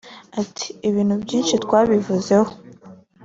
Ati “ Ibintu byinshi twabivuzeho